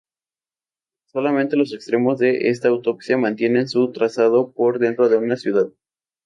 Solamente los extremos de esta autopista, mantienen su trazado por dentro de una ciudad.